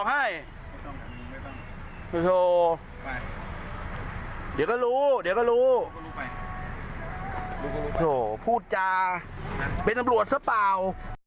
ไ้เดี๋ยว